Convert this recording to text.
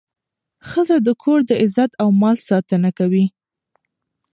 ښځه د کور د عزت او مال ساتنه کوي.